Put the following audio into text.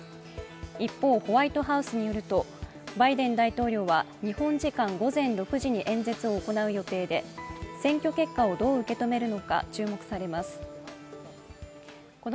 一方、ホワイトハウスによるとバイデン大統領は日本時間午前６時に演説を行う予定で選挙結果をどう受け止めるのか注目されます。